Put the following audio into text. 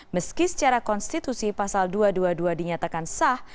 meski secara konstitusi pasal dua ratus dua puluh dua dinyatakan sah